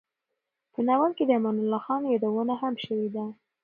په ناول کې د امان الله خان یادونه هم شوې ده.